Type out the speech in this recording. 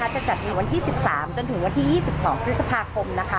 จะจัดในวันที่๑๓จนถึงวันที่๒๒พฤษภาคมนะคะ